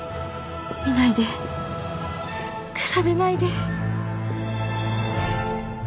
見ないで比べないで